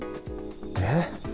えっ。